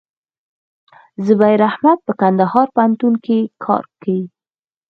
زبير احمد په کندهار پوهنتون کښي کار کيي.